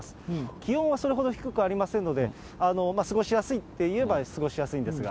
気温はそれほど低くありませんので、過ごしやすいといえば過ごしやすいんですが。